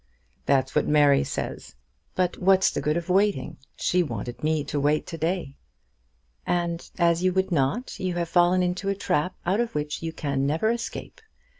"That's what Mary says; but what's the good of waiting? She wanted me to wait to day." "And as you would not, you have fallen into a trap out of which you can never escape.